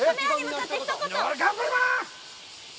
頑張ります！